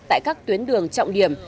tại các tuyến đường trọng điểm